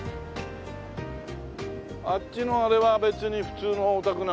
あっちのあれは別に普通のお宅なのかしら？